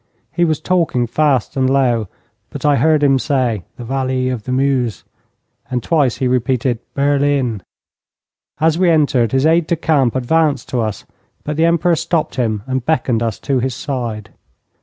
He was talking fast and low, but I heard him say, 'The valley of the Meuse,' and twice he repeated 'Berlin.' As we entered, his aide de camp advanced to us, but the Emperor stopped him and beckoned us to his side.